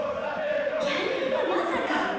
いやいやいやまさか。